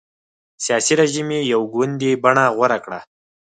سیاسي رژیم یې یو ګوندي بڼه غوره کړه.